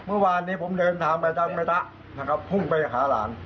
เมื่อวานนี้ผมเดินทางไปทางแม่ตะนะครับพุ่งไปหาหลาน